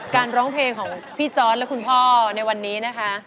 ร้องเพลงของพี่จอร์ดและคุณพ่อในวันนี้นะคะ